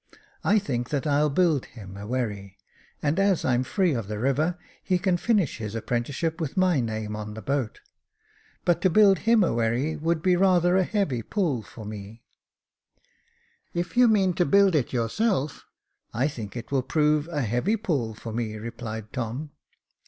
'' I think that I'll build him a wherry, and as I'm free of the river, he can finish his apprenticeship with my name on the boat ; but to build him a wherry would be rather a heavy pull for me," "If you mean to build it yourself, I think it will prove a heavy pull for me," replied Tom.